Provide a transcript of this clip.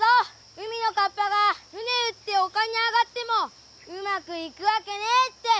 海のカッパが船売って陸に上がってもうまくいくわけねえって！